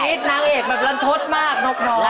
นี่นางเอกแบบรันทดมากนกน้อย